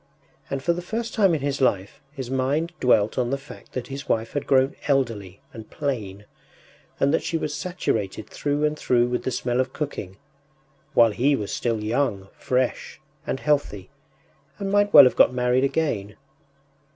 ” And for the first time in his life his mind dwelt on the fact that his wife had grown elderly and plain, and that she was saturated through and through with the smell of cooking, while he was still young, fresh, and healthy, and might well have got married again.